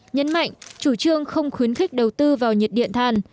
nhấn mạnh chủ trương không khuyến khích đầu tư vào nhiệt điện than